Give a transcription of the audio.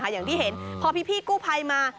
อย่างที่เห็นพอพี่กู้ภัยมา